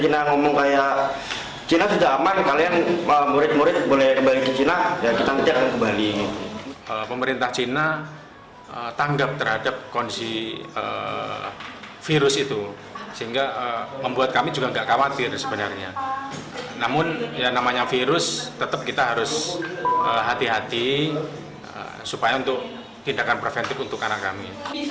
namun yang namanya virus tetap kita harus hati hati supaya untuk tidakkan preventif untuk anak kami